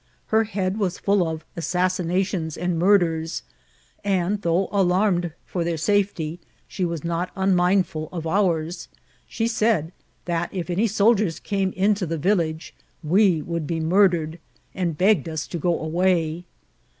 Her head was full of assassinations and murders, and though alarmed for their safety, she was not unmindful of ours ; she said that, if any soldiers came into the village, we would bo murdered, and begged us to go away.